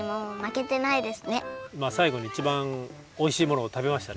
まあさいごにいちばんおいしいものを食べましたね。